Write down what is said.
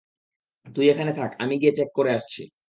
তুই এখানে থাক, আমি গিয়ে চেক করে আসছি।